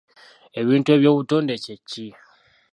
Ebintu eby'obutonde kye ki?